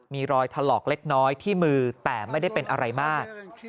มีรอยถลอกเล็กน้อยที่มือแต่ไม่ได้เป็นอะไรมาก